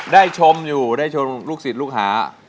ได้ชมอยู่ได้ชมลูกสิทธิ์ลูกหา